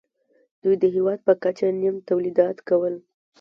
دوی د هېواد په کچه نیم تولیدات کول